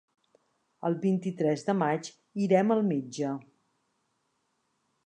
El vint-i-tres de maig irem al metge.